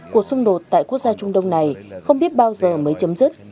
cuộc xung đột tại quốc gia trung đông này không biết bao giờ mới chấm dứt